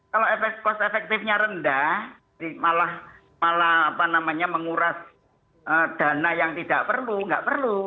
kalau efek cost effective nya rendah malah malah apa namanya menguras dana yang tidak perlu nggak perlu